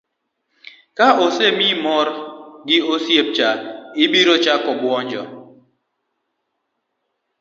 ka osemiye mor gi osiep cha, obiro chako buonjo